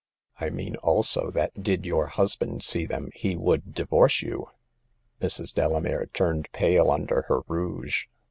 "I mean also that did your husband see them he would divorce you !" Mrs. Delamere turned pale under her rouge.